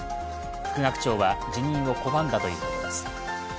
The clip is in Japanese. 副学長は辞任を拒んだということです。